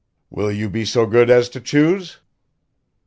"Will you be so good as to choose?"